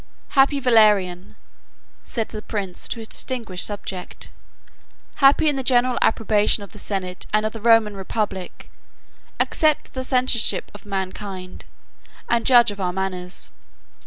"Happy Valerian," said the prince to his distinguished subject, "happy in the general approbation of the senate and of the Roman republic! Accept the censorship of mankind; and judge of our manners.